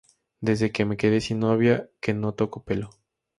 Desde que me quedé sin novia que no toco pelo